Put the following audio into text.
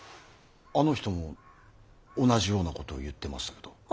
あの人も同じようなことを言ってましたけど。